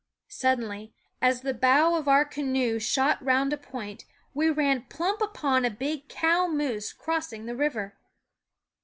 Suddenly, as the bow of our canoe shot round a point, we ran plump upon a big cow moose crossing the river.